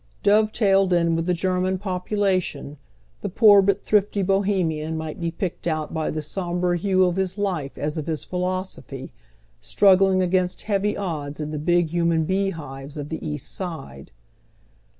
Dovetailed in with the German population, the poor but thrifty Boltemian might he picked out by the sombre hue of his life as of hia philosophy, struggling against heavy odds in the big human bee hives of the East Side.